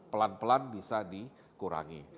pelan pelan bisa dikurangi